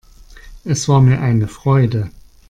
Es war mir eine Freude.